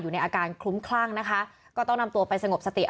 อยู่ในอาการคลุ้มคลั่งนะคะก็ต้องนำตัวไปสงบสติ